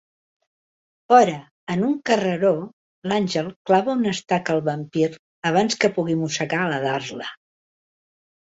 Fora, en un carreró, l'Àngel clava una estaca al vampir abans que pugui mossegar la Darla.